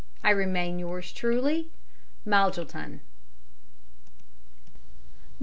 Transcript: I remain, yours truly, "MAJILTON" (Chas.